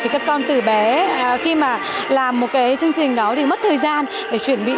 các con từ bé khi mà làm một cái chương trình đó thì mất thời gian để chuẩn bị